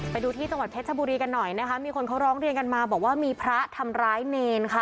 ไปดูที่จังหวัดเพชรชบุรีกันหน่อยนะคะมีคนเขาร้องเรียนกันมาบอกว่ามีพระทำร้ายเนรค่ะ